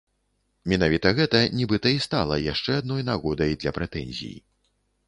Менавіта гэта нібыта і стала яшчэ адной нагодай для прэтэнзій.